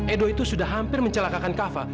edo itu sudah hampir mencelakakan kava